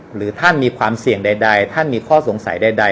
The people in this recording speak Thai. หรือท่านมีความเสี่ยงใดท่านมีข้อสงสัยใด